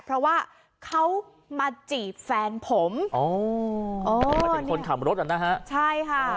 เพราะว่าเขามาจีบแฟนผมอ๋ออ๋อมาถึงคนขับรถอ่ะนะฮะใช่ค่ะ